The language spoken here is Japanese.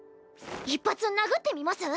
一発殴ってみます？